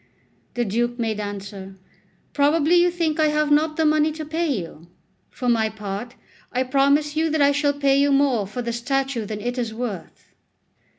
The Duke made answer: "Probably you think I have not the money to pay you. For my part, I promise you that I shall pay you more for the statue than it is worth."